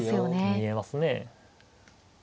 見えますね。